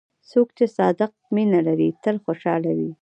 څوک چې صادق مینه لري، تل خوشحال وي.